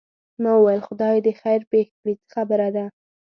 ما وویل خدای دې خیر پېښ کړي څه خبره ده.